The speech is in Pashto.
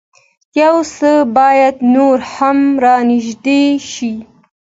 يو څه بايد نور هم را نېږدې شي.